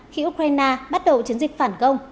khi ukraine bắt đầu chiến dịch phản công